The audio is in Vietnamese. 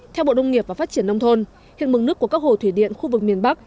theo bộ nông nghiệp và phát triển nông thôn hiện mức nước của các hồ thủy điện khu vực miền bắc